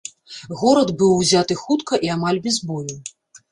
Горад быў узяты хутка і амаль без бою.